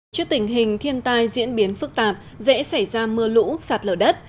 trước tình hình thiên tai diễn biến phức tạp dễ xảy ra mưa lũ sạt lở đất